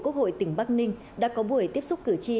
quốc hội tỉnh bắc ninh đã có buổi tiếp xúc cử tri